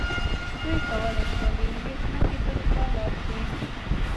دوی کولی شول له یوې ځمکې بلې ته لاړ شي.